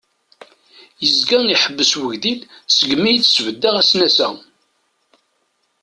Yezga iḥebbes wegdil segmi i sbeddeɣ asnas-a.